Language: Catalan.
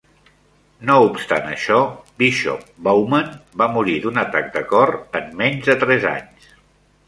No obstant això, Bishop Bowman va morir d'un atac de cor en menys de tres anys.